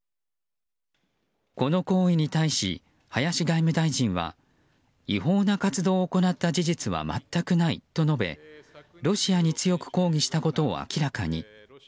この行為に対し林外務大臣は違法な活動を行った事実は全くないと述べ、ロシアに強く抗議したことを明らかに。